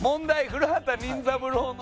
『古畑任三郎』の。